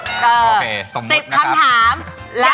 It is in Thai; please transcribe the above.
สิบคำถาม